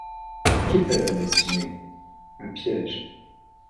Qu’était la destinée? un piège.